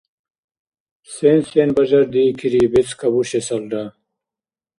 – Сен-сен бажардиикири бецӀ кабушесалра?